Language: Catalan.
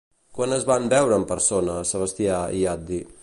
Quan es van veure en persona Sebastià i Haddi?